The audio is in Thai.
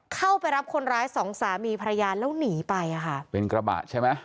เข้าไปรับคนร้าย๒สามีพระยานแล้วหนีไปเป็นกระบะใช่ไหม